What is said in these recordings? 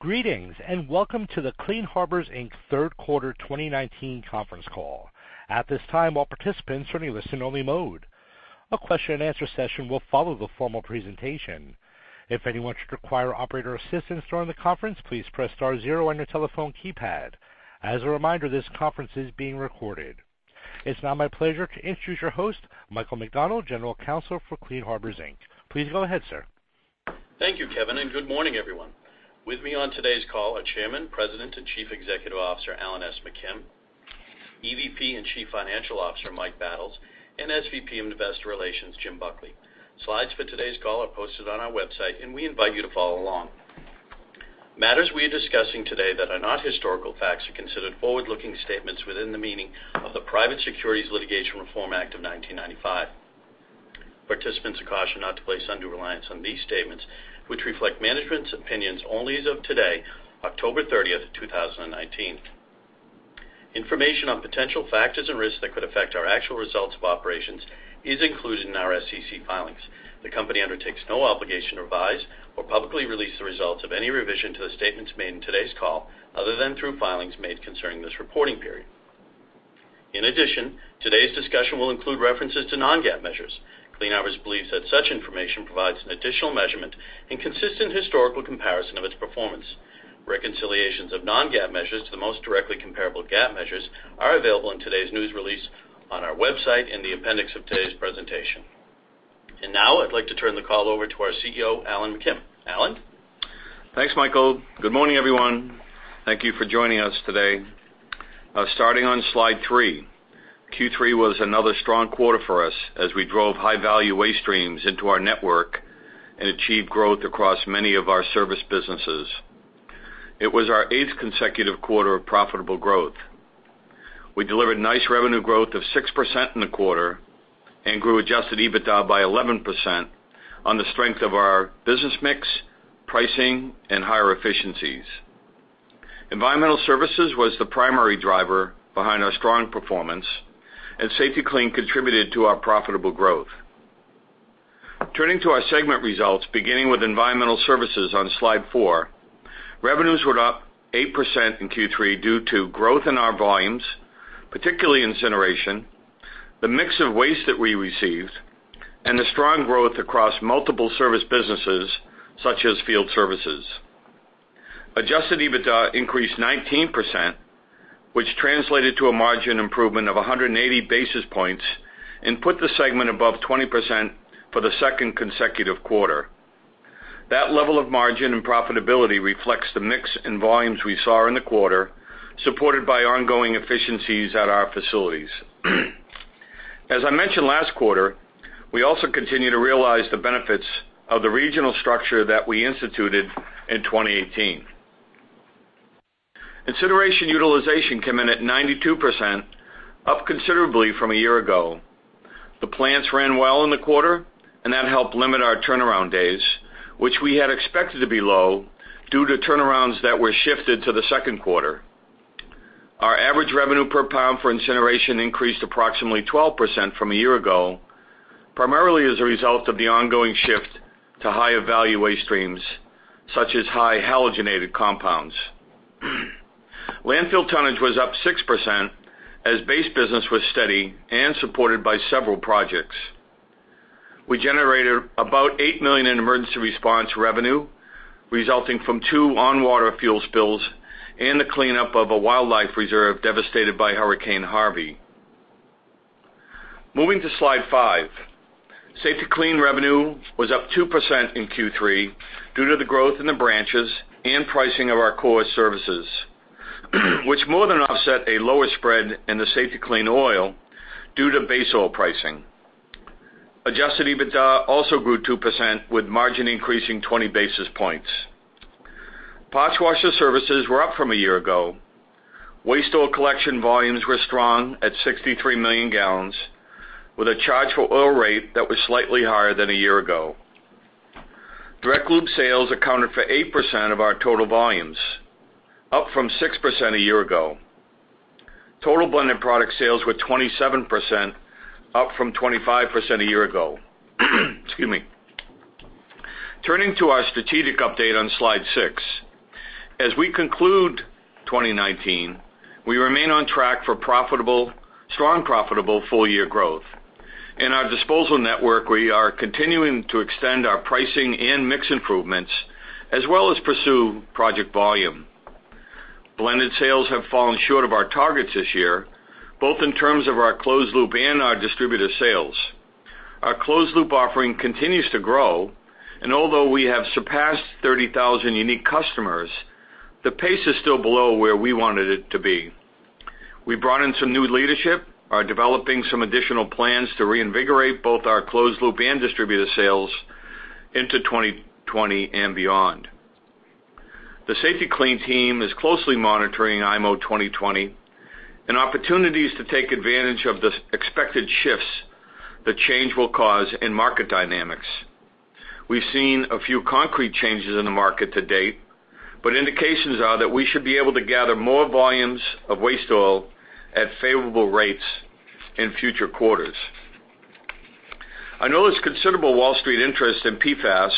Greetings, and welcome to the Clean Harbors, Inc. third quarter 2019 conference call. At this time, all participants are in listen-only mode. A question-and-answer session will follow the formal presentation. If anyone should require operator assistance during the conference, please press star zero on your telephone keypad. As a reminder, this conference is being recorded. It's now my pleasure to introduce your host, Michael McDonald, General Counsel for Clean Harbors, Inc. Please go ahead, sir. Thank you, Kevin, and good morning, everyone. With me on today's call are Chairman, President, and Chief Executive Officer, Alan S. McKim, EVP and Chief Financial Officer, Michael Battles, and SVP of Investor Relations, Jim Buckley. Slides for today's call are posted on our website, and we invite you to follow along. Matters we are discussing today that are not historical facts are considered forward-looking statements within the meaning of the Private Securities Litigation Reform Act of 1995. Participants are cautioned not to place undue reliance on these statements, which reflect management's opinions only as of today, October 30th, 2019. Information on potential factors and risks that could affect our actual results of operations is included in our SEC filings. The company undertakes no obligation to revise or publicly release the results of any revision to the statements made in today's call, other than through filings made concerning this reporting period. Today's discussion will include references to non-GAAP measures. Clean Harbors believes that such information provides an additional measurement and consistent historical comparison of its performance. Reconciliations of non-GAAP measures to the most directly comparable GAAP measures are available in today's news release on our website in the appendix of today's presentation. Now, I'd like to turn the call over to our CEO, Alan McKim. Alan? Thanks, Michael. Good morning, everyone. Thank you for joining us today. Starting on Slide 3. Q3 was another strong quarter for us as we drove high-value waste streams into our network and achieved growth across many of our service businesses. It was our eighth consecutive quarter of profitable growth. We delivered nice revenue growth of 6% in the quarter and grew adjusted EBITDA by 11% on the strength of our business mix, pricing, and higher efficiencies. Environmental Services was the primary driver behind our strong performance, and Safety-Kleen contributed to our profitable growth. Turning to our segment results, beginning with Environmental Services on Slide 4, revenues were up 8% in Q3 due to growth in our volumes, particularly incineration, the mix of waste that we received, and the strong growth across multiple service businesses, such as field services. Adjusted EBITDA increased 19%, which translated to a margin improvement of 180 basis points and put the segment above 20% for the second consecutive quarter. That level of margin and profitability reflects the mix in volumes we saw in the quarter, supported by ongoing efficiencies at our facilities. As I mentioned last quarter, we also continue to realize the benefits of the regional structure that we instituted in 2018. Incineration utilization came in at 92%, up considerably from a year ago. The plants ran well in the quarter, that helped limit our turnaround days, which we had expected to be low due to turnarounds that were shifted to the second quarter. Our average revenue per pound for incineration increased approximately 12% from a year ago, primarily as a result of the ongoing shift to higher-value waste streams, such as high halogenated compounds. Landfill tonnage was up 6% as base business was steady and supported by several projects. We generated about $8 million in emergency response revenue, resulting from two on-water fuel spills and the cleanup of a wildlife reserve devastated by Hurricane Harvey. Moving to Slide 5. Safety-Kleen revenue was up 2% in Q3 due to the growth in the branches and pricing of our core services, which more than offset a lower spread in the Safety-Kleen oil due to base oil pricing. Adjusted EBITDA also grew 2%, with margin increasing 20 basis points. Pot washer services were up from a year ago. Waste oil collection volumes were strong at 63 million gallons, with a chargeable oil rate that was slightly higher than a year ago. Direct loop sales accounted for 8% of our total volumes, up from 6% a year ago. Total blended product sales were 27%, up from 25% a year ago. Excuse me. Turning to our strategic update on Slide 6. As we conclude 2019, we remain on track for strong profitable full-year growth. In our disposal network, we are continuing to extend our pricing and mix improvements, as well as pursue project volume. Blended sales have fallen short of our targets this year, both in terms of our closed loop and our distributor sales. Our closed loop offering continues to grow, and although we have surpassed 30,000 unique customers, the pace is still below where we wanted it to be. We brought in some new leadership, are developing some additional plans to reinvigorate both our closed loop and distributor sales into 2020 and beyond. The Safety-Kleen team is closely monitoring IMO 2020 and opportunities to take advantage of the expected shifts the change will cause in market dynamics. We've seen a few concrete changes in the market to date, but indications are that we should be able to gather more volumes of waste oil at favorable rates in future quarters. I know there's considerable Wall Street interest in PFAS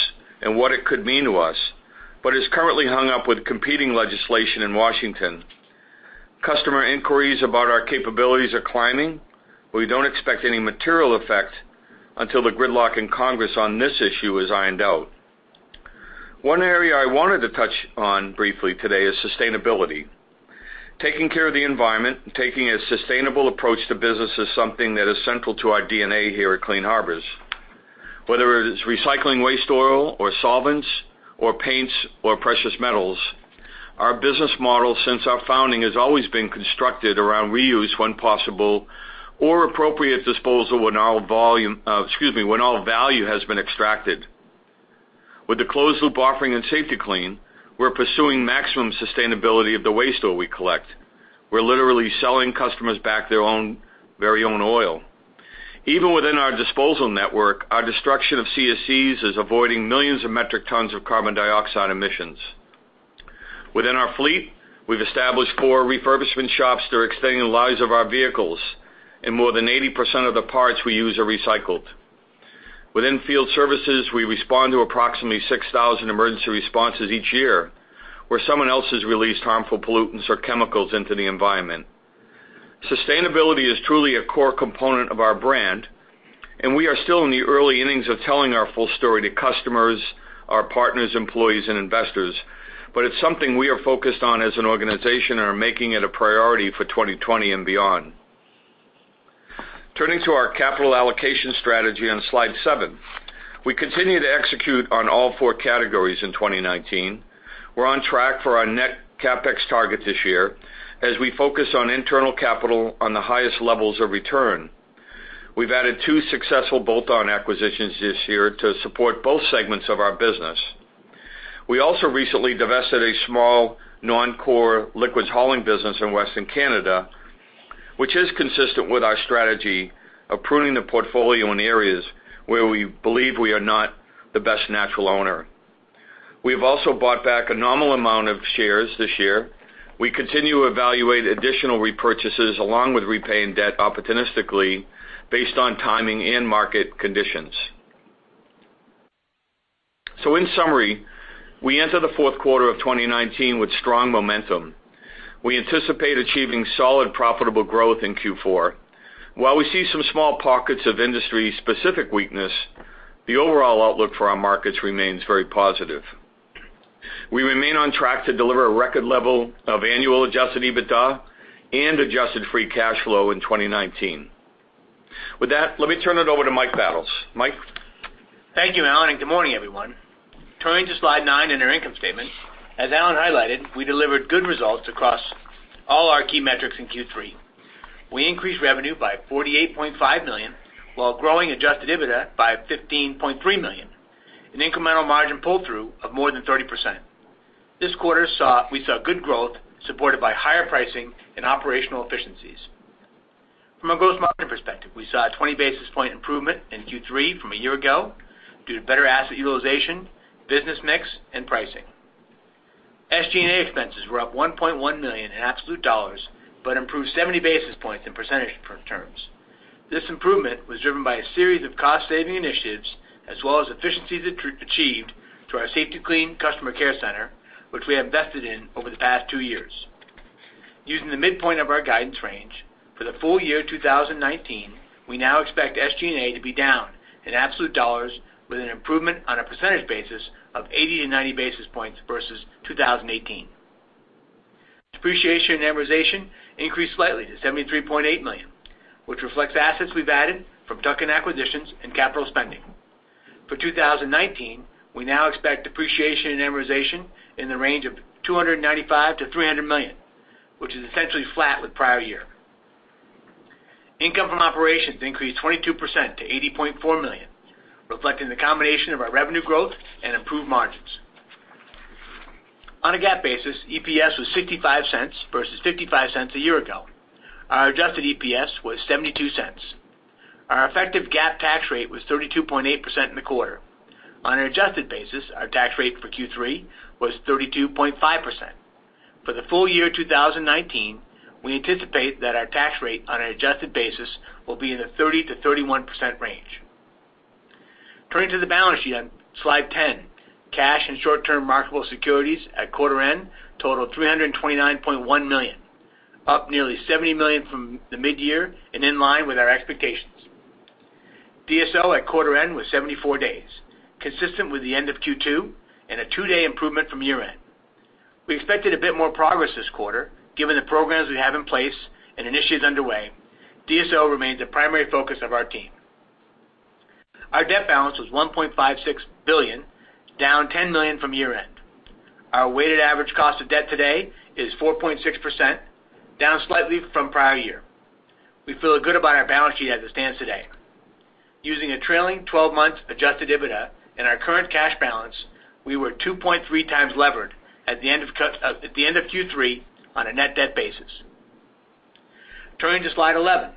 and what it could mean to us, but it's currently hung up with competing legislation in Washington. Customer inquiries about our capabilities are climbing, but we don't expect any material effect until the gridlock in Congress on this issue is ironed out. One area I wanted to touch on briefly today is sustainability. Taking care of the environment and taking a sustainable approach to business is something that is central to our DNA here at Clean Harbors. Whether it is recycling waste oil or solvents or paints or precious metals, our business model, since our founding, has always been constructed around reuse when possible or appropriate disposal when all value has been extracted. With the closed-loop offering in Safety-Kleen, we're pursuing maximum sustainability of the waste oil we collect. We're literally selling customers back their very own oil. Even within our disposal network, our destruction of CFCs is avoiding millions of metric tons of carbon dioxide emissions. Within our fleet, we've established four refurbishment shops that are extending the lives of our vehicles, and more than 80% of the parts we use are recycled. Within field services, we respond to approximately 6,000 emergency responses each year, where someone else has released harmful pollutants or chemicals into the environment. Sustainability is truly a core component of our brand, and we are still in the early innings of telling our full story to customers, our partners, employees, and investors. It's something we are focused on as an organization and are making it a priority for 2020 and beyond. Turning to our capital allocation strategy on slide seven. We continue to execute on all four categories in 2019. We're on track for our net CapEx target this year, as we focus on internal capital on the highest levels of return. We've added two successful bolt-on acquisitions this year to support both segments of our business. We also recently divested a small non-core liquids hauling business in Western Canada, which is consistent with our strategy of pruning the portfolio in areas where we believe we are not the best natural owner. We have also bought back a nominal amount of shares this year. We continue to evaluate additional repurchases along with repaying debt opportunistically based on timing and market conditions. In summary, we enter the fourth quarter of 2019 with strong momentum. We anticipate achieving solid profitable growth in Q4. While we see some small pockets of industry-specific weakness, the overall outlook for our markets remains very positive. We remain on track to deliver a record level of annual adjusted EBITDA and adjusted free cash flow in 2019. With that, let me turn it over to Mike Battles. Mike? Thank you, Alan. Good morning, everyone. Turning to slide nine in our income statement. As Alan highlighted, we delivered good results across all our key metrics in Q3. We increased revenue by $48.5 million while growing adjusted EBITDA by $15.3 million, an incremental margin pull-through of more than 30%. This quarter, we saw good growth supported by higher pricing and operational efficiencies. From a gross margin perspective, we saw a 20-basis-point improvement in Q3 from a year ago due to better asset utilization, business mix, and pricing. SG&A expenses were up $1.1 million in absolute dollars, but improved 70 basis points in percentage terms. This improvement was driven by a series of cost-saving initiatives as well as efficiencies achieved through our Safety-Kleen customer care center, which we have invested in over the past two years. Using the midpoint of our guidance range for the full year 2019, we now expect SG&A to be down in absolute dollars with an improvement on a percentage basis of 80-90 basis points versus 2018. Depreciation and amortization increased slightly to $73.8 million, which reflects assets we've added from tuck-in acquisitions and capital spending. For 2019, we now expect depreciation and amortization in the range of $295 million-$300 million, which is essentially flat with prior year. Income from operations increased 22% to $80.4 million, reflecting the combination of our revenue growth and improved margins. On a GAAP basis, EPS was $0.65 versus $0.55 a year ago. Our adjusted EPS was $0.72. Our effective GAAP tax rate was 32.8% in the quarter. On an adjusted basis, our tax rate for Q3 was 32.5%. For the full year 2019, we anticipate that our tax rate on an adjusted basis will be in the 30%-31% range. Turning to the balance sheet on slide 10. Cash and short-term marketable securities at quarter end totaled $329.1 million, up nearly $70 million from the mid-year and in line with our expectations. DSO at quarter end was 74 days, consistent with the end of Q2, and a two-day improvement from year end. We expected a bit more progress this quarter, given the programs we have in place and initiatives underway. DSO remains a primary focus of our team. Our debt balance was $1.56 billion, down $10 million from year end. Our weighted average cost of debt today is 4.6%, down slightly from prior year. We feel good about our balance sheet as it stands today. Using a trailing 12-month adjusted EBITDA and our current cash balance, we were 2.3 times levered at the end of Q3 on a net debt basis. Turning to slide 11.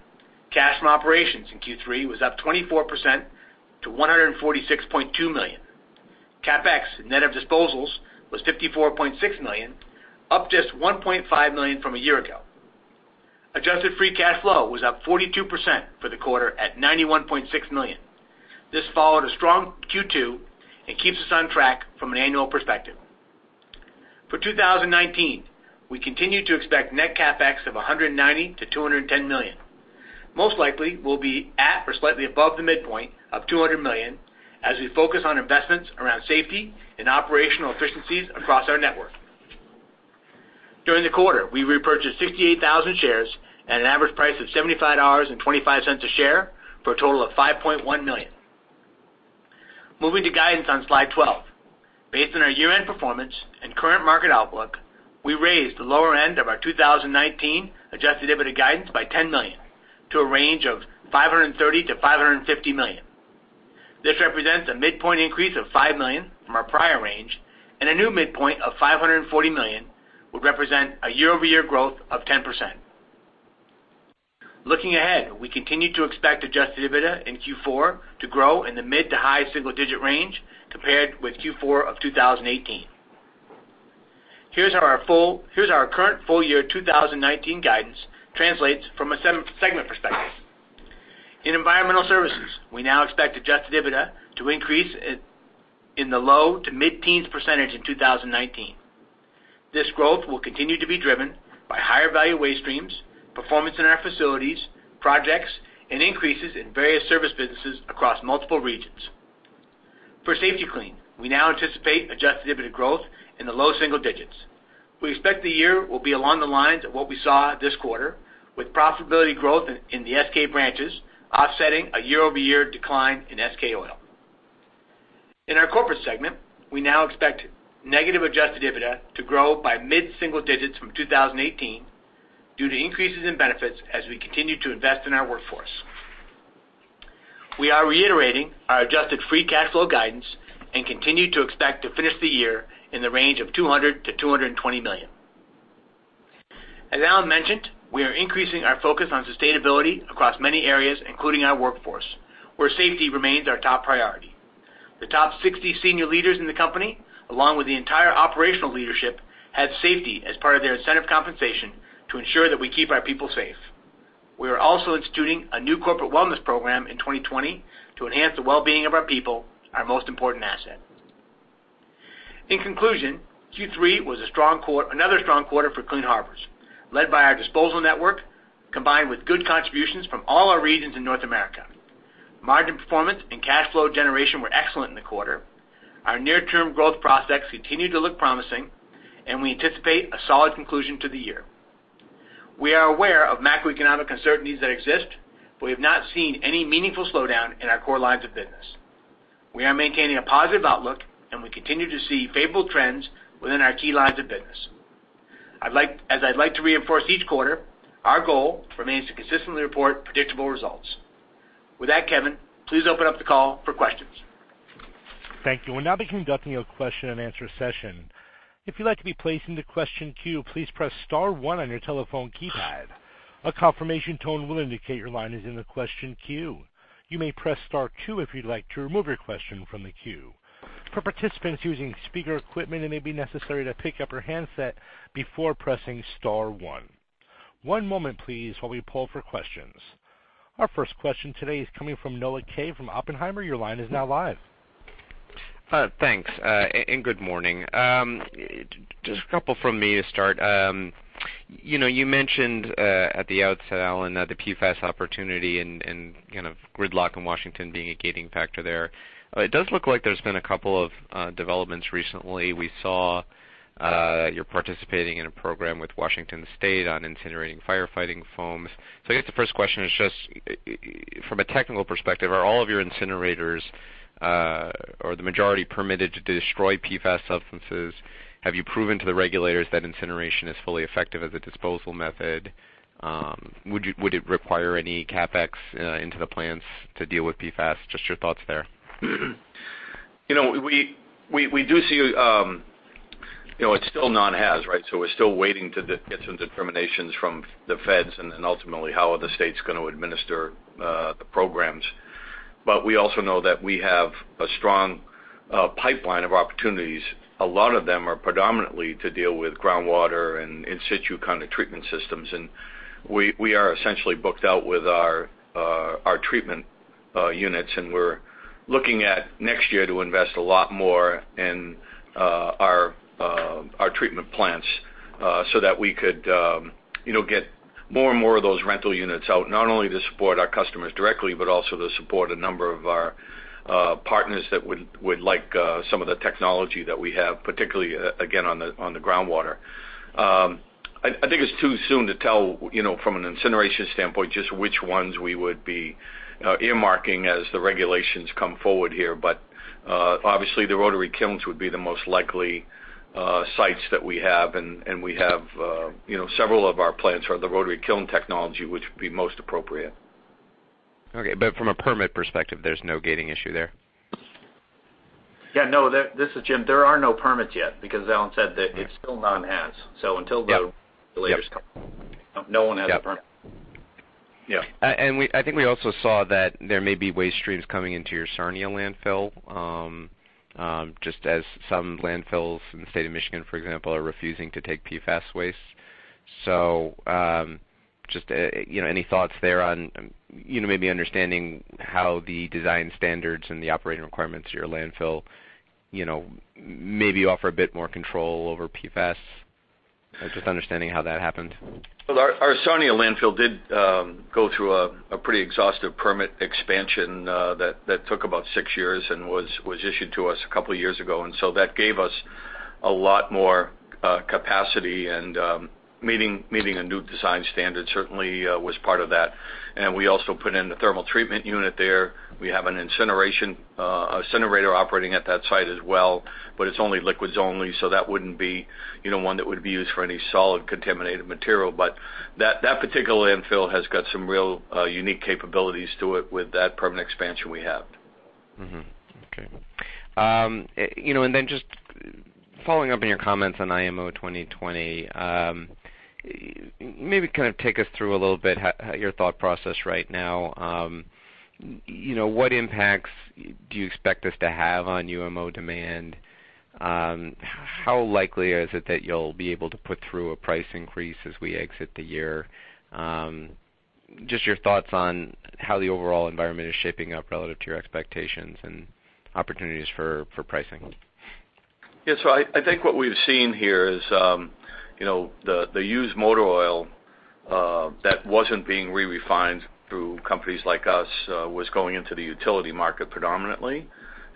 Cash from operations in Q3 was up 24% to $146.2 million. CapEx net of disposals was $54.6 million, up just $1.5 million from a year ago. Adjusted free cash flow was up 42% for the quarter at $91.6 million. This followed a strong Q2 and keeps us on track from an annual perspective. For 2019, we continue to expect net CapEx of $190 million-$210 million. Most likely, we'll be at or slightly above the midpoint of $200 million as we focus on investments around safety and operational efficiencies across our network. During the quarter, we repurchased 68,000 shares at an average price of $75.25 a share for a total of $5.1 million. Moving to guidance on Slide 12. Based on our year-end performance and current market outlook, we raised the lower end of our 2019 adjusted EBITDA guidance by $10 million to a range of $530 million-$550 million. This represents a midpoint increase of $5 million from our prior range, and a new midpoint of $540 million would represent a year-over-year growth of 10%. Looking ahead, we continue to expect adjusted EBITDA in Q4 to grow in the mid to high single-digit range compared with Q4 of 2018. Here's our current full-year 2019 guidance translates from a segment perspective. In Environmental Services, we now expect adjusted EBITDA to increase in the low to mid-teens % in 2019. This growth will continue to be driven by higher value waste streams, performance in our facilities, projects, and increases in various service businesses across multiple regions. For Safety-Kleen, we now anticipate adjusted EBITDA growth in the low single digits. We expect the year will be along the lines of what we saw this quarter, with profitability growth in the SK branches offsetting a year-over-year decline in Safety-Kleen Oil. In our corporate segment, we now expect negative adjusted EBITDA to grow by mid-single digits from 2018 due to increases in benefits as we continue to invest in our workforce. We are reiterating our adjusted free cash flow guidance and continue to expect to finish the year in the range of $200 million-$220 million. As Alan mentioned, we are increasing our focus on sustainability across many areas, including our workforce, where safety remains our top priority. The top 60 senior leaders in the company, along with the entire operational leadership, have safety as part of their incentive compensation to ensure that we keep our people safe. We are also instituting a new corporate wellness program in 2020 to enhance the well-being of our people, our most important asset. In conclusion, Q3 was another strong quarter for Clean Harbors, led by our disposal network, combined with good contributions from all our regions in North America. Margin performance and cash flow generation were excellent in the quarter. Our near-term growth prospects continue to look promising, and we anticipate a solid conclusion to the year. We are aware of macroeconomic uncertainties that exist. We have not seen any meaningful slowdown in our core lines of business. We are maintaining a positive outlook, and we continue to see favorable trends within our key lines of business. As I'd like to reinforce each quarter, our goal remains to consistently report predictable results. With that, Kevin, please open up the call for questions. Thank you. We'll now be conducting a question and answer session. If you'd like to be placed into question queue, please press *1 on your telephone keypad. A confirmation tone will indicate your line is in the question queue. You may press *2 if you'd like to remove your question from the queue. For participants using speaker equipment, it may be necessary to pick up your handset before pressing *1. One moment please while we pull for questions. Our first question today is coming from Noah Kaye from Oppenheimer. Your line is now live. Thanks, good morning. Just a couple from me to start. You mentioned at the outset, Alan, the PFAS opportunity and gridlock in Washington being a gating factor there. It does look like there's been a couple of developments recently. We saw you're participating in a program with Washington State on incinerating firefighting foams. I guess the first question is just from a technical perspective, are all of your incinerators or the majority permitted to destroy PFAS substances? Have you proven to the regulators that incineration is fully effective as a disposal method? Would it require any CapEx into the plants to deal with PFAS? Just your thoughts there. We do see it's still non-haz, right? We're still waiting to get some determinations from the feds and then ultimately how are the states going to administer the programs. We also know that we have a strong pipeline of opportunities. A lot of them are predominantly to deal with groundwater and in situ kind of treatment systems. We are essentially booked out with our treatment units, and we're looking at next year to invest a lot more in our treatment plants so that we could get more and more of those rental units out, not only to support our customers directly, but also to support a number of our partners that would like some of the technology that we have, particularly, again, on the groundwater. I think it's too soon to tell from an incineration standpoint just which ones we would be earmarking as the regulations come forward here. Obviously the rotary kilns would be the most likely sites that we have, and we have several of our plants are the rotary kiln technology, which would be most appropriate. Okay, from a permit perspective, there's no gating issue there? Yeah, no. This is Jim. There are no permits yet because Alan said that it's still non-haz. Until the regulators come, no one has a permit. Yeah. I think we also saw that there may be waste streams coming into your Sarnia landfill, just as some landfills in the state of Michigan, for example, are refusing to take PFAS waste. Just any thoughts there on maybe understanding how the design standards and the operating requirements of your landfill maybe offer a bit more control over PFAS? Just understanding how that happened. Our Sarnia landfill did go through a pretty exhaustive permit expansion that took about six years and was issued to us a couple of years ago. That gave us a lot more capacity and meeting a new design standard certainly was part of that. We also put in the thermal treatment unit there. We have an incinerator operating at that site as well, but it's liquids only, so that wouldn't be one that would be used for any solid contaminated material. That particular landfill has got some real unique capabilities to it with that permit expansion we have. Mm-hmm. Okay. Just following up on your comments on IMO 2020, maybe kind of take us through a little bit your thought process right now. What impacts do you expect this to have on UMO demand? How likely is it that you'll be able to put through a price increase as we exit the year? Just your thoughts on how the overall environment is shaping up relative to your expectations and opportunities for pricing. Yeah. I think what we've seen here is the used motor oil that wasn't being re-refined through companies like us was going into the utility market predominantly,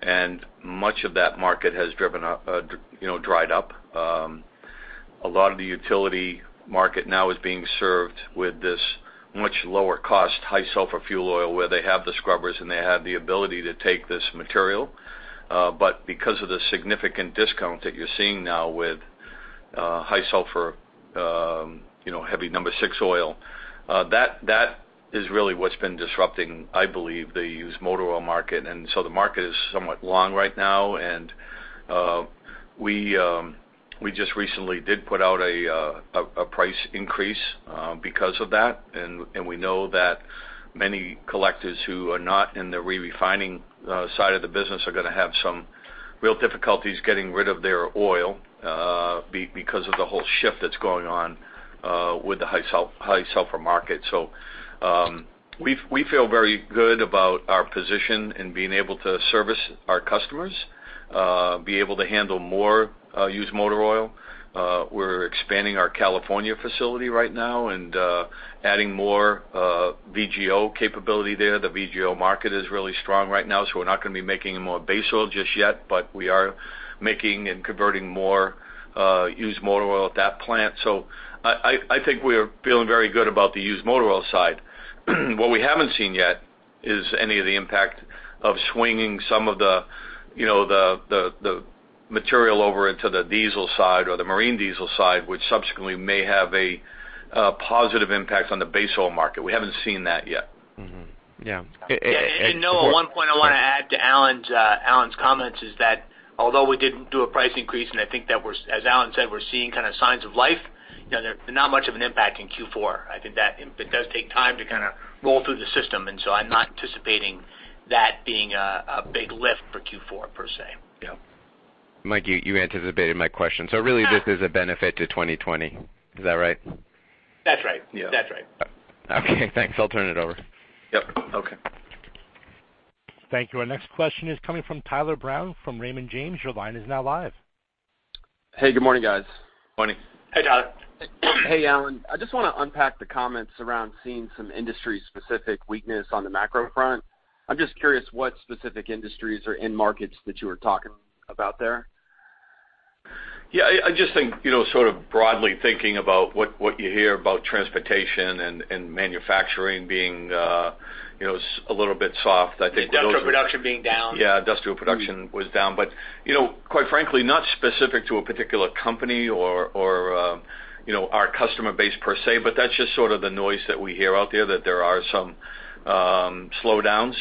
and much of that market has dried up. A lot of the utility market now is being served with this much lower cost, high sulfur fuel oil, where they have the scrubbers, and they have the ability to take this material. Because of the significant discount that you're seeing now with high sulfur, heavy 6 oil, that is really what's been disrupting, I believe, the used motor oil market. The market is somewhat long right now, and we just recently did put out a price increase because of that. We know that many collectors who are not in the re-refining side of the business are going to have some real difficulties getting rid of their oil because of the whole shift that's going on with the high sulfur market. We feel very good about our position in being able to service our customers, be able to handle more used motor oil. We're expanding our California facility right now and adding more VGO capability there. The VGO market is really strong right now, we're not going to be making any more base oil just yet. We are making and converting more used motor oil at that plant. I think we are feeling very good about the used motor oil side. What we haven't seen yet is any of the impact of swinging some of the material over into the diesel side or the marine diesel side, which subsequently may have a positive impact on the base oil market. We haven't seen that yet. Mm-hmm. Yeah. Noah, one point I want to add to Alan's comments is that although we did do a price increase, and I think that as Alan said, we're seeing signs of life, there's not much of an impact in Q4. I think that it does take time to roll through the system, and so I'm not anticipating that being a big lift for Q4 per se. Yeah. Mike, you anticipated my question. Really this is a benefit to 2020. Is that right? That's right. Yeah. That's right. Okay, thanks. I'll turn it over. Yep. Okay. Thank you. Our next question is coming from Tyler Brown from Raymond James. Your line is now live. Hey, good morning, guys. Morning. Hey, Tyler. Hey, Alan. I just want to unpack the comments around seeing some industry-specific weakness on the macro front. I'm just curious what specific industries or end markets that you were talking about there? I just think sort of broadly thinking about what you hear about transportation and manufacturing being a little bit soft. Industrial production being down. Yeah, industrial production was down. Quite frankly, not specific to a particular company or our customer base per se, that's just sort of the noise that we hear out there that there are some slowdowns.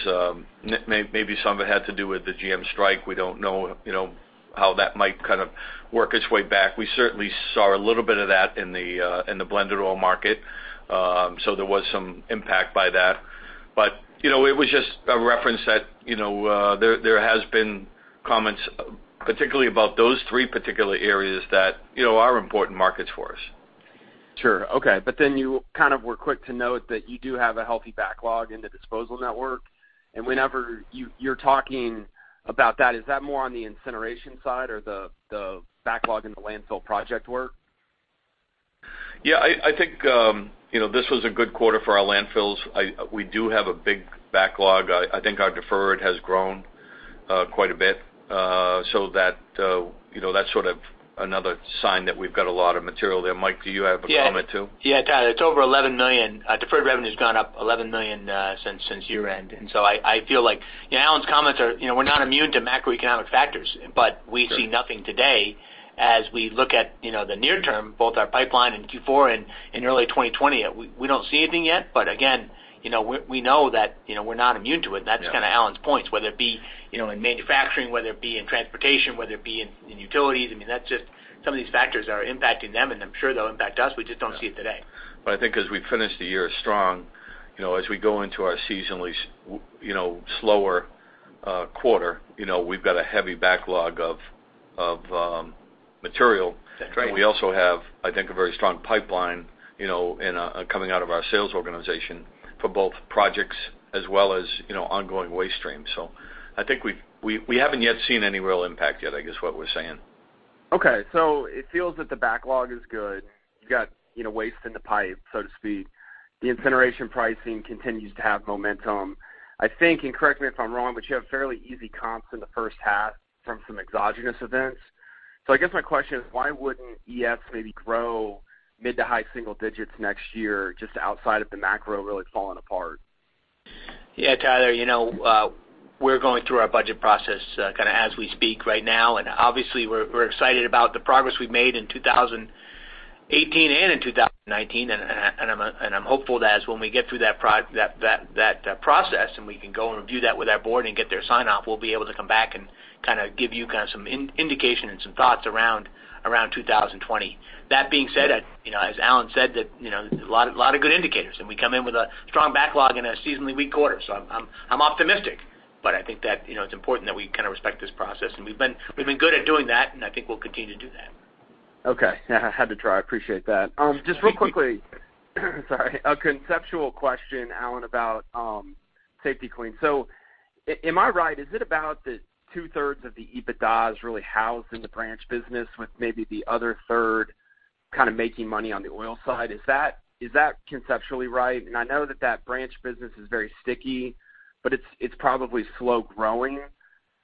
Maybe some of it had to do with the GM strike. We don't know how that might work its way back. We certainly saw a little bit of that in the blended oil market. There was some impact by that. It was just a reference that there has been comments particularly about those three particular areas that are important markets for us. Sure. Okay. You kind of were quick to note that you do have a healthy backlog in the disposal network. Whenever you're talking about that, is that more on the incineration side or the backlog in the landfill project work? Yeah, I think this was a good quarter for our landfills. We do have a big backlog. I think our deferred has grown quite a bit. That's sort of another sign that we've got a lot of material there. Mike, do you have a comment too? Yeah, Tyler, it's over $11 million. Deferred revenue's gone up $11 million since year-end. I feel like Alan's comments are we're not immune to macroeconomic factors, but we see nothing today as we look at the near term, both our pipeline in Q4 and early 2020. We don't see anything yet, but again we know that we're not immune to it. That's kind of Alan's point, whether it be in manufacturing, whether it be in transportation, whether it be in utilities. I mean, that's just Some of these factors are impacting them, and I'm sure they'll impact us. We just don't see it today. I think as we finish the year strong, as we go into our seasonally slower quarter, we've got a heavy backlog of material. That's right. We also have, I think, a very strong pipeline coming out of our sales organization for both projects as well as ongoing waste streams. I think we haven't yet seen any real impact yet, I guess what we're saying. Okay. It feels that the backlog is good. You've got waste in the pipe, so to speak. The incineration pricing continues to have momentum. I think, and correct me if I'm wrong, you have fairly easy comps in the first half from some exogenous events. I guess my question is, why wouldn't ES maybe grow mid to high single digits next year, just outside of the macro really falling apart? Tyler, we're going through our budget process kind of as we speak right now. Obviously we're excited about the progress we've made in 2018 and in 2019, and I'm hopeful that as when we get through that process and we can go and review that with our board and get their sign-off, we'll be able to come back and kind of give you some indication and some thoughts around 2020. That being said, as Alan said, that a lot of good indicators, and we come in with a strong backlog in a seasonally weak quarter. I'm optimistic, but I think that it's important that we kind of respect this process. We've been good at doing that, and I think we'll continue to do that. Okay. I had to try. I appreciate that. Yeah. Just real quickly, sorry, a conceptual question, Alan, about Safety-Kleen. Am I right, is it about the 2/3 of the EBITDA is really housed in the branch business with maybe the other 1/3 kind of making money on the oil side? Is that conceptually right? I know that branch business is very sticky, but it's probably slow growing,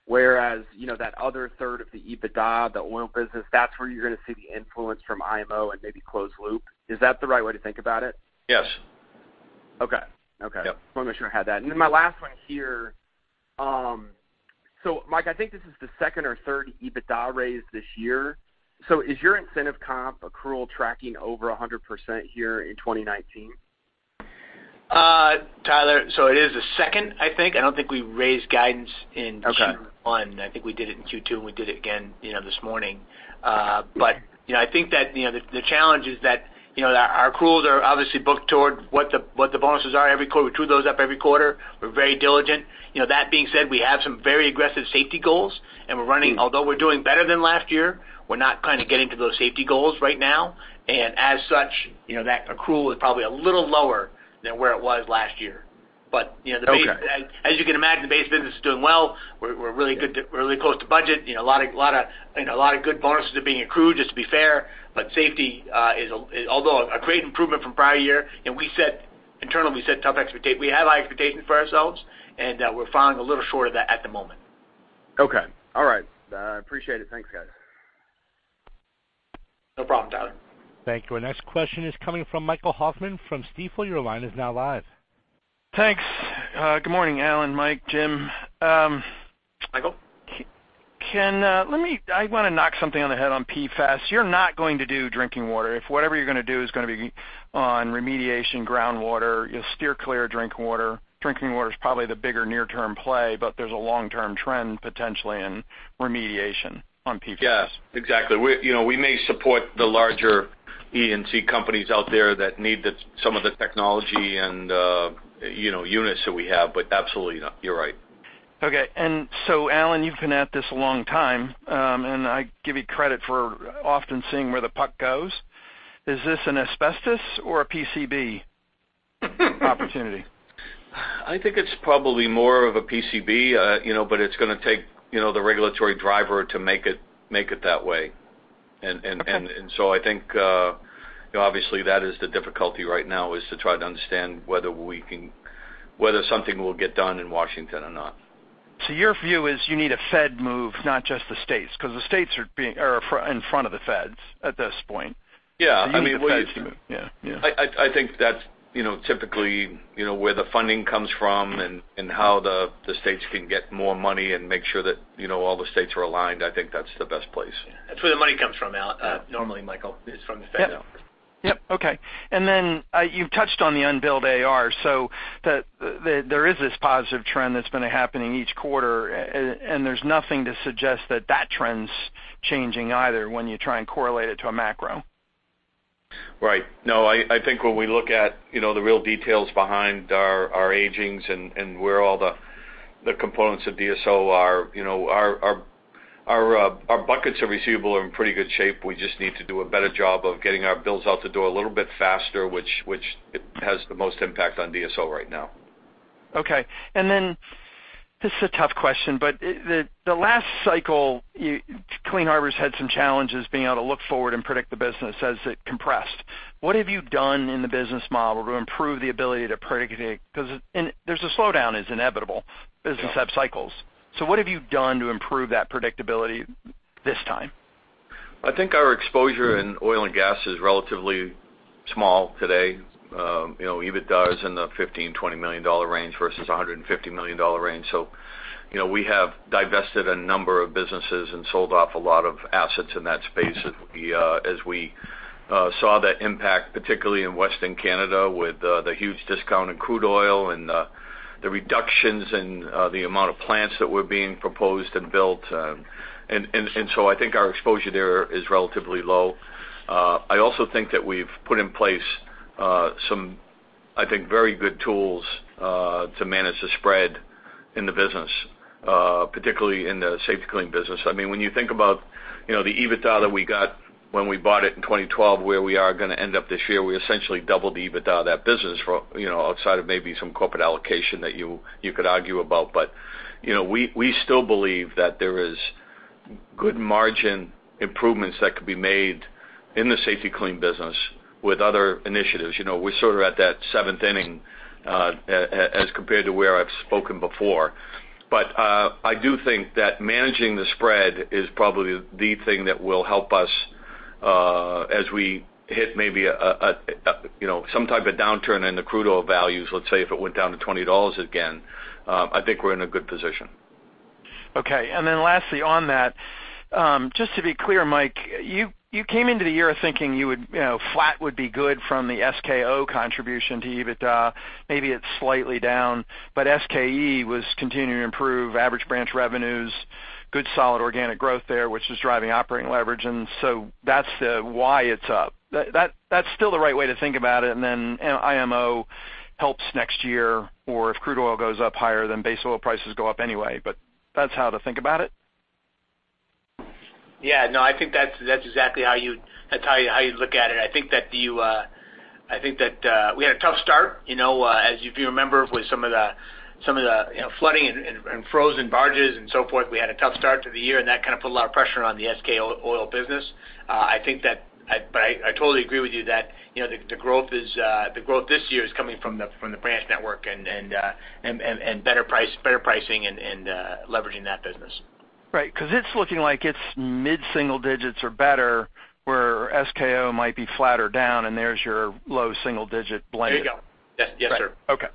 whereas that other 1/3 of the EBITDA, the oil business, that's where you're going to see the influence from IMO and maybe closed loop. Is that the right way to think about it? Yes. Okay. Yep. Just want to make sure I had that. My last one here. Mike, I think this is the second or third EBITDA raise this year. Is your incentive comp accrual tracking over 100% here in 2019? Tyler, it is the second, I think. I don't think we raised guidance in Q1. Okay. I think we did it in Q2, and we did it again this morning. I think that the challenge is that our accruals are obviously booked toward what the bonuses are every quarter. We true those up every quarter. We're very diligent. That being said, we have some very aggressive safety goals. Although we're doing better than last year, we're not kind of getting to those safety goals right now. As such, that accrual is probably a little lower than where it was last year. Okay As you can imagine, the base business is doing well. We're really close to budget. A lot of good bonuses are being accrued, just to be fair. Safety, although a great improvement from prior year, internally, we set tough expectations. We have high expectations for ourselves, we're falling a little short of that at the moment. Okay. All right. I appreciate it. Thanks, guys. No problem, Tyler. Thank you. Our next question is coming from Michael Hoffman from Stifel. Your line is now live. Thanks. Good morning, Alan, Mike, Jim. Michael. I want to knock something on the head on PFAS. Whatever you're going to do is going to be on remediation groundwater, you'll steer clear of drinking water. Drinking water is probably the bigger near term play, there's a long term trend potentially in remediation on PFAS. Yes, exactly. We may support the larger E&C companies out there that need some of the technology and units that we have. Absolutely not. You're right. Okay. Alan, you've been at this a long time. I give you credit for often seeing where the puck goes. Is this an asbestos or a PCB opportunity? I think it's probably more of a PCB, but it's going to take the regulatory driver to make it that way. I think, obviously, that is the difficulty right now is to try to understand whether something will get done in Washington or not. Your view is you need a Fed move, not just the states, because the states are in front of the Feds at this point. Yeah. You need the Feds to move. Yeah. I think that's typically where the funding comes from and how the states can get more money and make sure that all the states are aligned. I think that's the best place. That's where the money comes from, Al, normally, Michael, is from the Fed. Yep. Okay. You've touched on the unbilled AR, so there is this positive trend that's been happening each quarter, and there's nothing to suggest that that trend's changing either when you try and correlate it to a macro. Right. No, I think when we look at the real details behind our agings and where all the components of DSO are, our buckets of receivable are in pretty good shape. We just need to do a better job of getting our bills out the door a little bit faster, which has the most impact on DSO right now. This is a tough question, the last cycle, Clean Harbors had some challenges being able to look forward and predict the business as it compressed. What have you done in the business model to improve the ability to predict it? There's a slowdown is inevitable. Yeah. Businesses have cycles. What have you done to improve that predictability this time? I think our exposure in oil and gas is relatively small today. EBITDA is in the $15 million-$20 million range versus $150 million range. We have divested a number of businesses and sold off a lot of assets in that space as we saw that impact, particularly in Western Canada with the huge discount in crude oil and the reductions in the amount of plants that were being proposed and built. I think our exposure there is relatively low. I also think that we've put in place some, I think, very good tools to manage the spread in the business, particularly in the Safety-Kleen business. When you think about the EBITDA that we got when we bought it in 2012, where we are going to end up this year, we essentially doubled the EBITDA of that business outside of maybe some corporate allocation that you could argue about. We still believe that there is good margin improvements that could be made in the Safety-Kleen business with other initiatives. We're sort of at that seventh inning, as compared to where I've spoken before. I do think that managing the spread is probably the thing that will help us as we hit maybe some type of downturn in the crude oil values. Let's say if it went down to $20 again, I think we're in a good position. Okay. Lastly, on that, just to be clear, Mike, you came into the year thinking flat would be good from the SKO contribution to EBITDA. Maybe it's slightly down, but SKE was continuing to improve average branch revenues, good solid organic growth there, which is driving operating leverage. That's why it's up. That's still the right way to think about it, and then IMO helps next year, or if crude oil goes up higher, then base oil prices go up anyway. That's how to think about it? Yeah, no, I think that's exactly how you'd look at it. I think that we had a tough start. As if you remember, with some of the flooding and frozen barges and so forth, we had a tough start to the year, and that kind of put a lot of pressure on the Safety-Kleen Oil business. I totally agree with you that the growth this year is coming from the branch network and better pricing and leveraging that business. Right, because it's looking like it's mid-single digits or better, where SKO might be flat or down, and there's your low single digit blend. There you go. Yes, sir. Okay.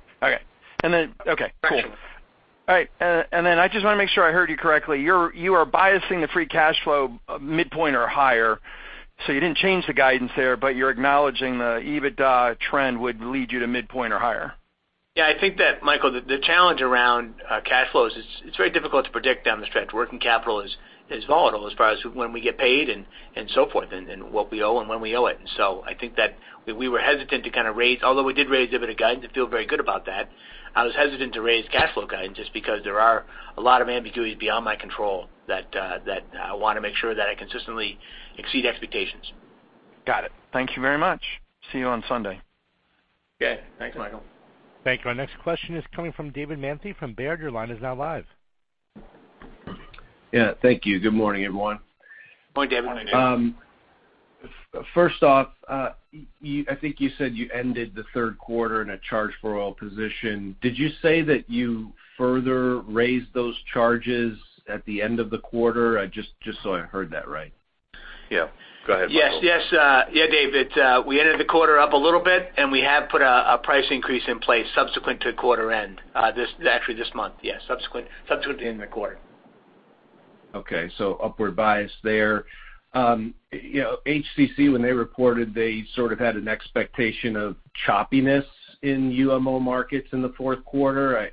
Cool. All right. I just want to make sure I heard you correctly. You are biasing the free cash flow midpoint or higher. You didn't change the guidance there, but you're acknowledging the EBITDA trend would lead you to midpoint or higher. Yeah, I think that, Michael, the challenge around cash flows, it's very difficult to predict down the stretch. Working capital is volatile as far as when we get paid and so forth, and what we owe and when we owe it. I think that we were hesitant to kind of raise, although we did raise EBITDA guidance and feel very good about that. I was hesitant to raise cash flow guidance just because there are a lot of ambiguities beyond my control that I want to make sure that I consistently exceed expectations. Got it. Thank you very much. See you on Sunday. Okay. Thanks, Michael. Thank you. Our next question is coming from David Manthey from Baird. Your line is now live. Yeah, thank you. Good morning, everyone. Good morning, David. Morning, David. First off, I think you said you ended the third quarter in a charge-for-oil position. Did you say that you further raised those charges at the end of the quarter, just so I heard that right? Yeah. Go ahead, Michael. Yes. Yeah, David. We ended the quarter up a little bit, and we have put a price increase in place subsequent to quarter end, actually this month. Yeah, subsequent to the end of the quarter. Okay. Upward bias there. HCC, when they reported, they sort of had an expectation of choppiness in UMO markets in the fourth quarter.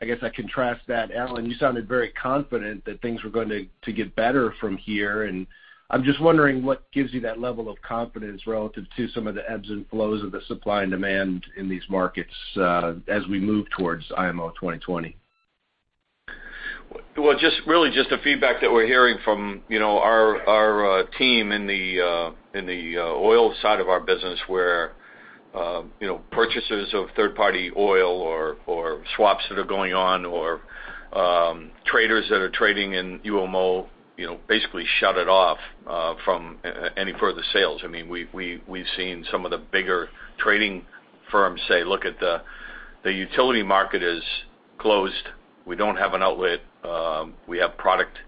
I guess I contrast that. Alan, you sounded very confident that things were going to get better from here, and I'm just wondering what gives you that level of confidence relative to some of the ebbs and flows of the supply and demand in these markets as we move towards IMO 2020. Well, just really the feedback that we are hearing from our team in the oil side of our business where purchasers of third party oil or swaps that are going on or traders that are trading in UMO basically shut it off from any further sales. We have seen some of the bigger trading firms say, "Look, the utility market is closed. We do not have an outlet. We have product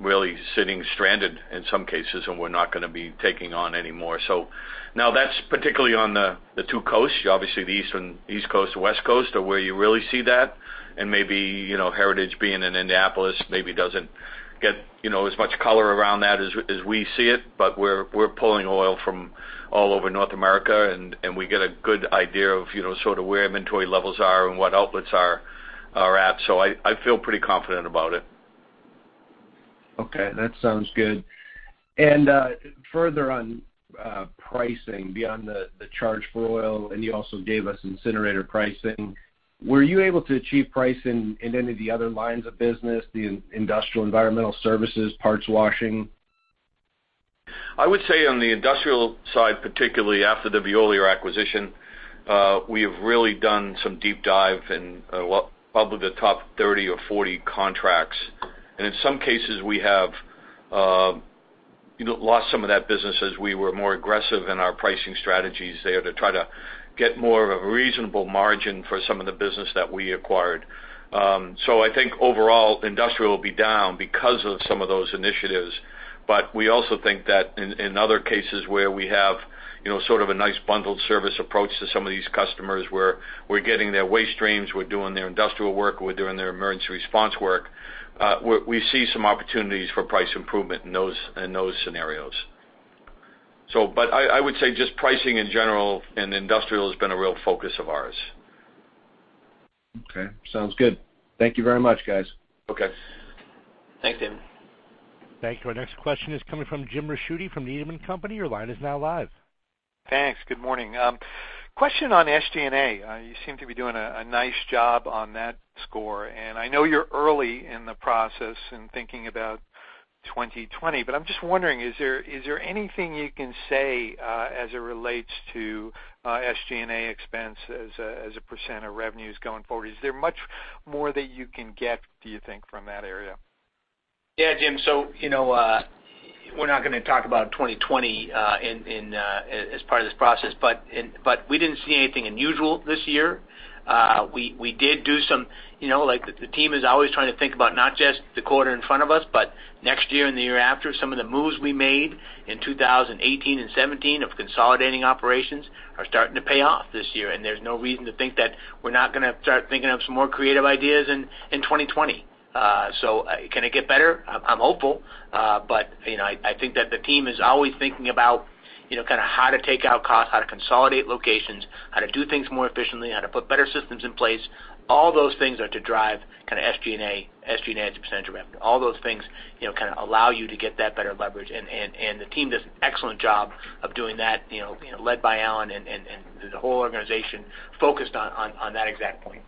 really sitting stranded in some cases, and we are not going to be taking on any more." Now that is particularly on the two coasts. Obviously, the East Coast, West Coast are where you really see that, and maybe Heritage being in Indianapolis maybe does not get as much color around that as we see it. We are pulling oil from all over North America, and we get a good idea of sort of where inventory levels are and what outlets are at. I feel pretty confident about it. Okay. That sounds good. Further on pricing, beyond the charge for oil, you also gave us incinerator pricing. Were you able to achieve pricing in any of the other lines of business, the industrial environmental services, parts washing? I would say on the industrial side, particularly after the Veolia acquisition, we have really done some deep dive in probably the top 30 or 40 contracts. In some cases, we have lost some of that business as we were more aggressive in our pricing strategies there to try to get more of a reasonable margin for some of the business that we acquired. I think overall, industrial will be down because of some of those initiatives. We also think that in other cases where we have sort of a nice bundled service approach to some of these customers where we're getting their waste streams, we're doing their industrial work, we're doing their emergency response work, we see some opportunities for price improvement in those scenarios. I would say just pricing in general in industrial has been a real focus of ours. Okay. Sounds good. Thank you very much, guys. Okay. Thanks, David. Thank you. Our next question is coming from James Ricchiuti from Needham & Company. Your line is now live. Thanks. Good morning. Question on SG&A. You seem to be doing a nice job on that score, and I know you're early in the process in thinking about 2020, but I'm just wondering, is there anything you can say as it relates to SG&A expense as a percent of revenues going forward? Is there much more that you can get, do you think, from that area? Yeah, Jim, we're not going to talk about 2020 as part of this process, but we didn't see anything unusual this year. The team is always trying to think about not just the quarter in front of us, but next year and the year after. Some of the moves we made in 2018 and 2017 of consolidating operations are starting to pay off this year, and there's no reason to think that we're not going to start thinking of some more creative ideas in 2020. Can it get better? I'm hopeful. I think that the team is always thinking about how to take out costs, how to consolidate locations, how to do things more efficiently, how to put better systems in place. All those things are to drive SG&A as a % of revenue. All those things allow you to get that better leverage, and the team does an excellent job of doing that, led by Alan, and the whole organization focused on that exact point.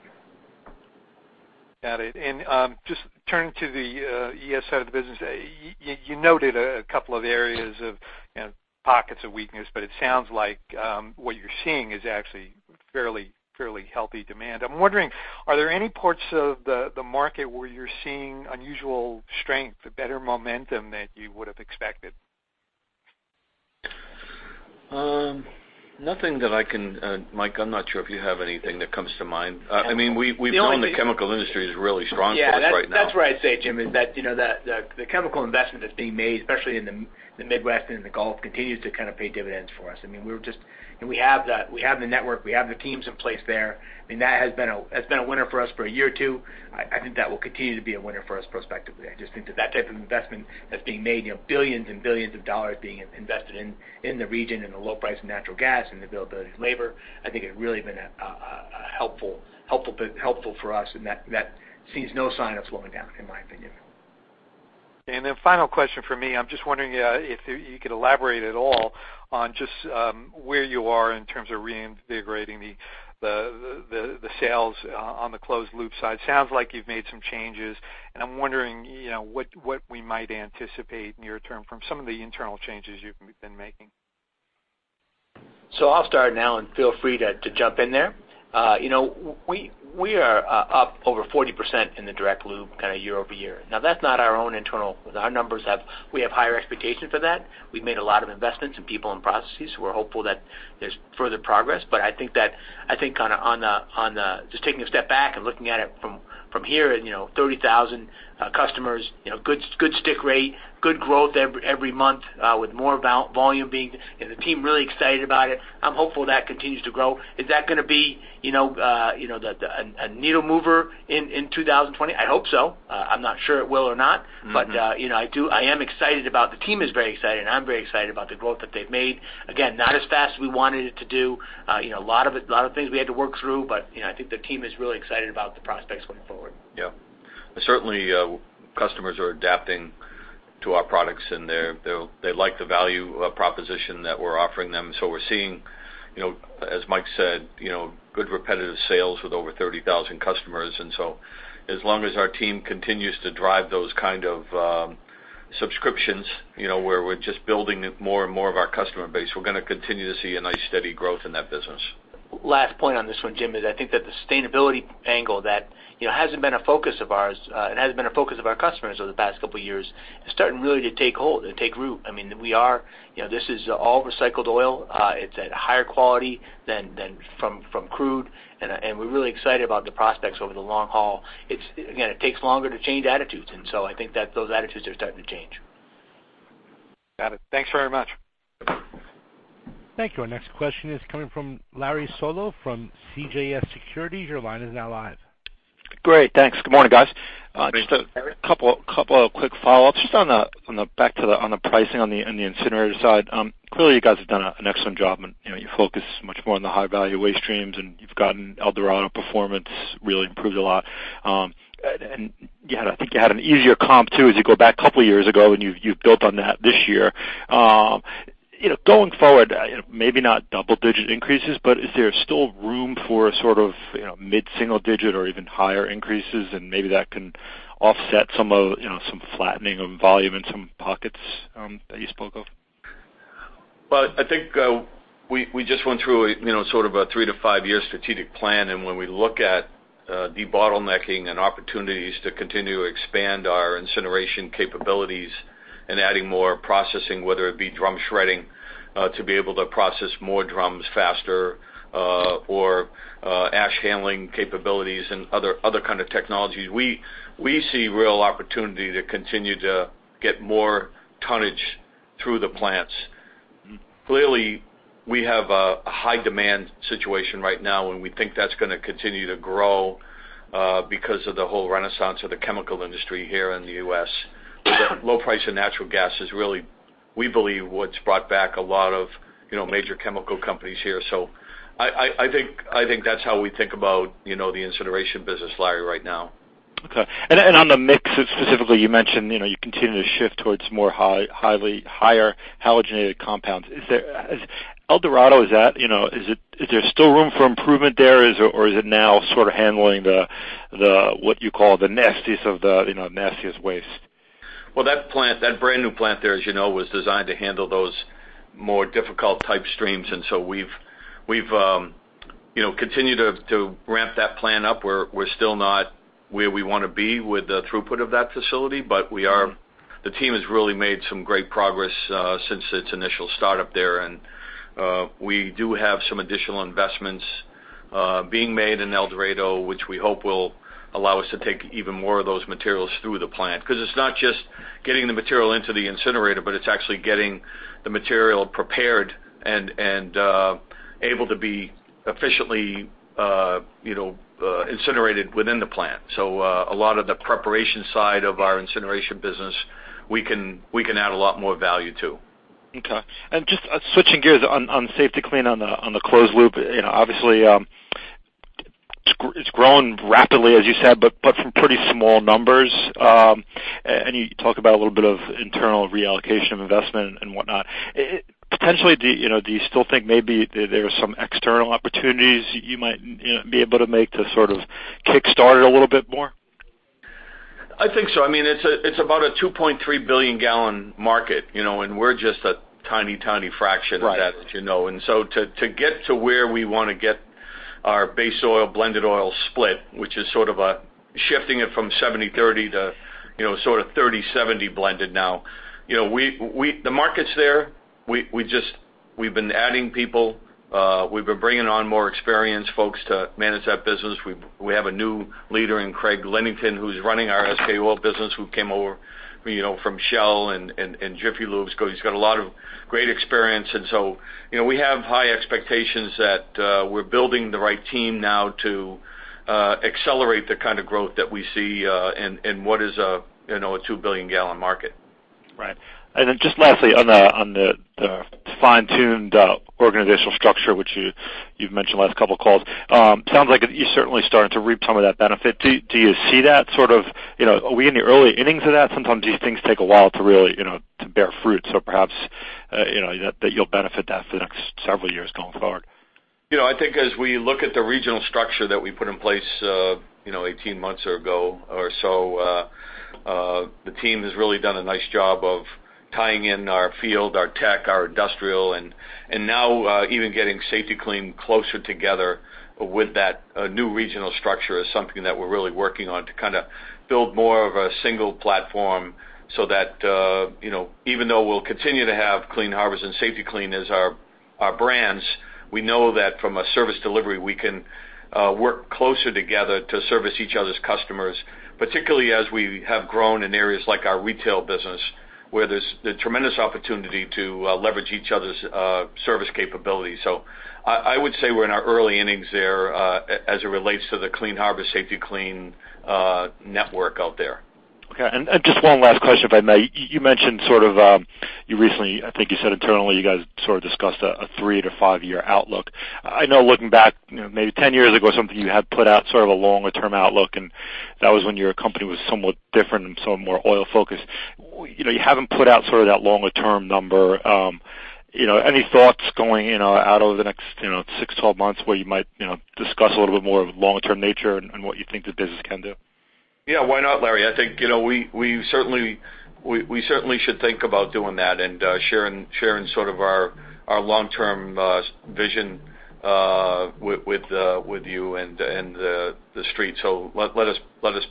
Got it. Just turning to the ES side of the business, you noted a couple of areas of pockets of weakness, but it sounds like what you're seeing is actually fairly healthy demand. I'm wondering, are there any parts of the market where you're seeing unusual strength or better momentum that you would've expected? Mike, I'm not sure if you have anything that comes to mind. We've grown, the chemical industry is really strong for us right now. Yeah. That's what I'd say, Jim, is that the chemical investment that's being made, especially in the Midwest and in the Gulf, continues to pay dividends for us. We have the network, we have the teams in place there. That has been a winner for us for a year or two. I think that will continue to be a winner for us prospectively. I just think that that type of investment that's being made, $billions and $billions being invested in the region, and the low price of natural gas, and the availability of labor, I think has really been helpful for us, and that sees no sign of slowing down, in my opinion. Then final question from me. I'm just wondering if you could elaborate at all on just where you are in terms of reinvigorating the sales on the closed loop side. Sounds like you've made some changes, and I'm wondering what we might anticipate near term from some of the internal changes you've been making. I'll start, and Alan, feel free to jump in there. We are up over 40% in the direct loop year-over-year. That's not our own internal, we have higher expectations for that. We've made a lot of investments in people and processes. We're hopeful that there's further progress. I think just taking a step back and looking at it from here, 30,000 customers, good stick rate, good growth every month. The team is really excited about it. I'm hopeful that continues to grow. Is that going to be a needle mover in 2020? I hope so. I'm not sure it will or not. The team is very excited, and I'm very excited about the growth that they've made. Not as fast as we wanted it to do. A lot of things we had to work through, but I think the team is really excited about the prospects going forward. Yeah. Certainly, customers are adapting to our products, and they like the value proposition that we're offering them. We're seeing, as Mike said, good repetitive sales with over 30,000 customers. As long as our team continues to drive those kind of subscriptions where we're just building more and more of our customer base, we're going to continue to see a nice steady growth in that business. Last point on this one, Jim, is I think that the sustainability angle that it hasn't been a focus of ours, it hasn't been a focus of our customers over the past couple of years, is starting really to take hold and take root. This is all recycled oil. It's at a higher quality than from crude, and we're really excited about the prospects over the long haul. Again, it takes longer to change attitudes, and so I think that those attitudes are starting to change. Got it. Thanks very much. Thank you. Our next question is coming from Larry Solow from CJS Securities. Your line is now live. Great. Thanks. Good morning, guys. Good morning, Larry. Just a couple of quick follow-ups. Just back on the pricing on the incinerator side. Clearly, you guys have done an excellent job, and you focus much more on the high-value waste streams, and you've gotten El Dorado performance really improved a lot. I think you had an easier comp, too, as you go back a couple of years ago, and you've built on that this year. Going forward, maybe not double-digit increases, but is there still room for a sort of mid-single digit or even higher increases and maybe that can offset some flattening of volume in some pockets that you spoke of? Well, I think we just went through a sort of a 3-5 year strategic plan. When we look at debottlenecking and opportunities to continue to expand our incineration capabilities and adding more processing, whether it be drum shredding to be able to process more drums faster or ash handling capabilities and other kind of technologies, we see real opportunity to continue to get more tonnage through the plants. Clearly, we have a high demand situation right now, and we think that's going to continue to grow because of the whole renaissance of the chemical industry here in the U.S. The low price of natural gas is really, we believe, what's brought back a lot of major chemical companies here. I think that's how we think about the incineration business, Larry, right now. Okay. On the mix, specifically, you mentioned you continue to shift towards more high halogenated compounds. El Dorado, is there still room for improvement there, or is it now sort of handling the, what you call the nastiest of the nastiest waste? Well, that brand-new plant there, as you know, was designed to handle those more difficult type streams. We've continued to ramp that plant up. We're still not where we want to be with the throughput of that facility, but the team has really made some great progress since its initial startup there. We do have some additional investments being made in El Dorado, which we hope will allow us to take even more of those materials through the plant. Because it's not just getting the material into the incinerator, but it's actually getting the material prepared and able to be efficiently incinerated within the plant. A lot of the preparation side of our incineration business, we can add a lot more value to. Okay. Just switching gears on Safety-Kleen, on the closed loop. Obviously, it's grown rapidly, as you said, but from pretty small numbers. You talk about a little bit of internal reallocation of investment and whatnot. Potentially, do you still think maybe there's some external opportunities you might be able to make to sort of kickstart it a little bit more? I think so. It's about a 2.3 billion gallon market, and we're just a tiny fraction of that, as you know. Right. To get to where we want to get our base oil, blended oil split, which is sort of shifting it from 70-30 to sort of 30-70 blended now. The market's there. We've been adding people. We've been bringing on more experienced folks to manage that business. We have a new leader in Craig Linnington, who's running our Safety-Kleen Oil business, who came over from Shell and Jiffy Lube. He's got a lot of great experience. We have high expectations that we're building the right team now to accelerate the kind of growth that we see in what is a 2 billion gallon market. Right. Then just lastly, on the fine-tuned organizational structure, which you've mentioned the last couple of calls. Sounds like you're certainly starting to reap some of that benefit. Do you see that sort of, are we in the early innings of that? Sometimes these things take a while to really bear fruit. Perhaps, that you'll benefit that for the next several years going forward. I think as we look at the regional structure that we put in place 18 months ago or so, the team has really done a nice job of tying in our field, our tech, our industrial, and now even getting Safety-Kleen closer together with that new regional structure is something that we're really working on to kind of build more of a single platform so that even though we'll continue to have Clean Harbors and Safety-Kleen as our brands, we know that from a service delivery, we can work closer together to service each other's customers. Particularly as we have grown in areas like our retail business, where there's the tremendous opportunity to leverage each other's service capabilities. I would say we're in our early innings there as it relates to the Clean Harbors, Safety-Kleen network out there. Okay. Just one last question, if I may. You mentioned, you recently, I think you said internally, you guys discussed a three to five year outlook. I know looking back, maybe 10 years ago, something you had put out a longer term outlook, that was when your company was somewhat different and somewhat more oil focused. You haven't put out that longer term number. Any thoughts going out over the next six to 12 months where you might discuss a little bit more of longer term nature and what you think the business can do? Yeah, why not, Larry? I think we certainly should think about doing that and sharing sort of our long-term vision with you and the street. Let's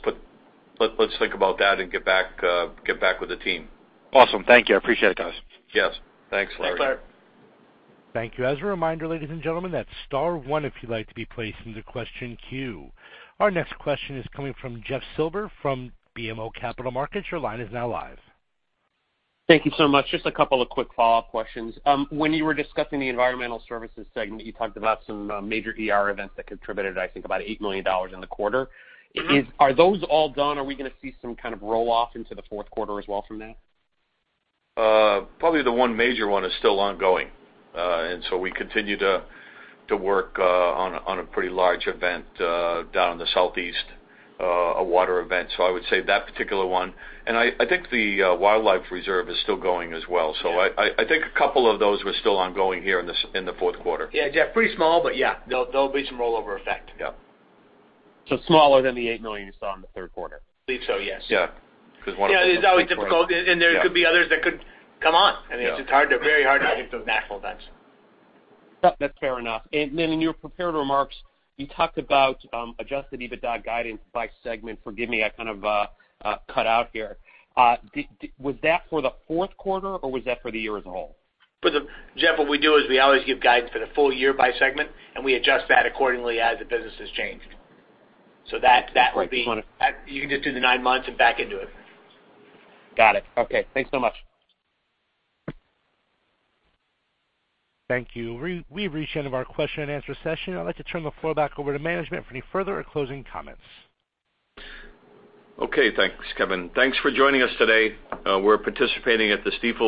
think about that and get back with the team. Awesome. Thank you. I appreciate it, guys. Yes. Thanks, Larry. Thanks, Larry. Thank you. As a reminder, ladies and gentlemen, that is star one if you would like to be placed into question queue. Our next question is coming from Jeff Silber from BMO Capital Markets. Your line is now live. Thank you so much. Just a couple of quick follow-up questions. When you were discussing the Environmental Services segment, you talked about some major ER events that contributed, I think, about $8 million in the quarter. Are those all gone? Are we going to see some kind of roll-off into the fourth quarter as well from that? Probably the one major one is still ongoing. We continue to work on a pretty large event down in the Southeast, a water event. I would say that particular one. I think the wildlife reserve is still going as well. I think a couple of those were still ongoing here in the fourth quarter. Jeff, pretty small, but yeah. There'll be some rollover effect. Yeah. Smaller than the $8 million you saw in the third quarter? I believe so, yes. Yeah. Yeah, it's always difficult, and there could be others that could come on. Yeah. It's just very hard to predict those natural events. That's fair enough. In your prepared remarks, you talked about adjusted EBITDA guidance by segment. Forgive me, I kind of cut out here. Was that for the fourth quarter, or was that for the year as a whole? Jeff, what we do is we always give guidance for the full year by segment, and we adjust that accordingly as the business has changed. That would be. Right. You can just do the nine months and back into it. Got it. Okay. Thanks so much. Thank you. We've reached the end of our question and answer session. I'd like to turn the floor back over to management for any further or closing comments. Okay, thanks, Kevin. Thanks for joining us today. We're participating at the Stifel-